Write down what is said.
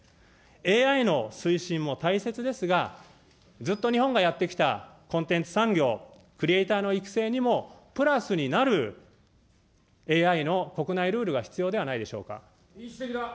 ＡＩの推進も大切ですが、ずっと日本がやってきたコンテンツ産業、クリエイターの育成にも、プラスになるＡＩの国内ルールが必要ではないでしょうか。